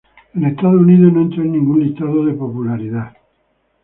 En Estados Unidos no entró en ningún listado de popularidad.